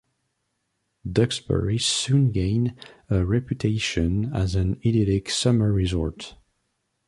Duxbury soon gained a reputation as an idyllic summer resort.